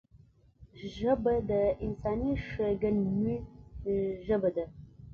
ژبه د انساني ښیګڼې ژبه ده